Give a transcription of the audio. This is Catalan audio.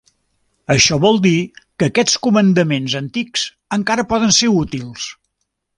Això vol dir que aquests comandaments antics encara poden ser útils.